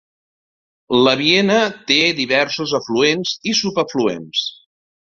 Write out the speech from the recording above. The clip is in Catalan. La Viena té diversos afluents i subafluents.